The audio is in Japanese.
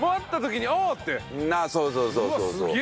そうそうそうそう。